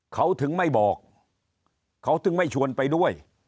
เขาถึงไม่บอกเขาถึงไม่ชวนไปด้วย